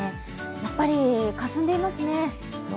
やっぱり、かすんでいますね。